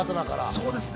そうですね。